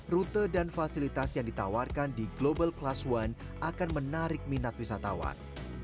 rute dan fasilitas yang ditawarkan di global class one akan menarik minat wisatawan